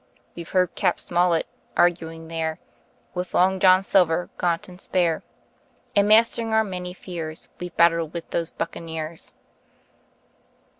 We've heard Cap. Smollett arguing there With Long John Silver, gaunt and spare, And mastering our many fears We've battled with those buccaneers.